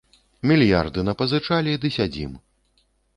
Мільярды напазычалі ды сядзім.